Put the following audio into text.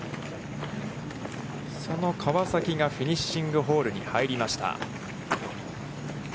その川崎がフィニッシングホールに入りました。